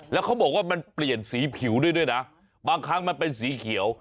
แล้วเขาบอกว่ามันเปลี่ยนสีผิวด้วยนะบางครั้งมันเป็นสีเขียว